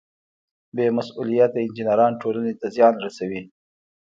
بې مسؤلیته انجینران ټولنې ته زیان رسوي.